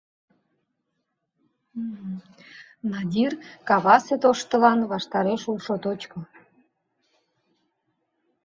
Надир — кавасе тоштылан ваштареш улшо точко.